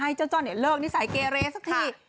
เจ้าจ้อนเลิกนิสัยเกเรสักที